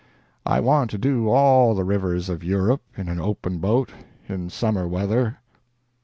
.. I want to do all the rivers of Europe in an open boat in summer weather."